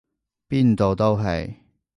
邊度都係！